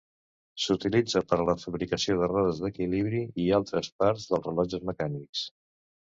S'utilitza per a la fabricació de rodes d'equilibri i d'altres parts dels rellotges mecànics.